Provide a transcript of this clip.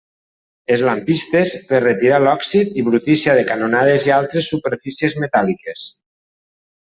Els lampistes, per retirar l'òxid i brutícia de canonades i altres superfícies metàl·liques.